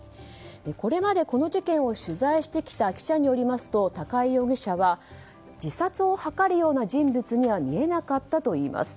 これまでこの事件を取材してきた記者によりますと高井容疑者は自殺を図るような人物には見えなかったといいます。